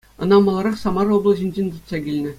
Ӑна маларах Самар облаҫӗнчен тытса килнӗ.